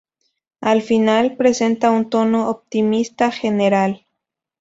Al final, presenta un tono optimista general.